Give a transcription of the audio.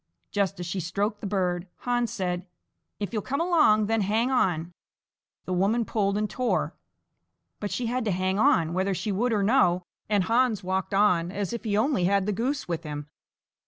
Just as she stroked the bird, Hans said: "If you'll come along, then hang on!" The woman pulled and tore, but she had to hang on, whether she would or no, and Hans walked on, as if he only had the goose with him.